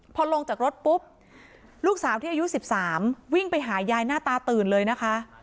พอลงจากรถปุ๊บลูกสาวที่อายุ๑๓วิ่งไปหายายหน้าตาตื่นเลยนะคะ